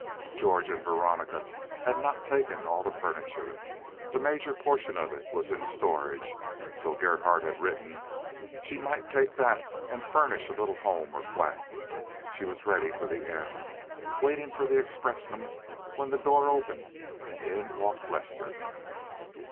George and Veronica had not taken all the furniture. The major portion of it was in storage—so Gerhardt had written. She might take that and furnish a little home or flat. She was ready for the end, waiting for the expressman, when the door opened and in walked Lester.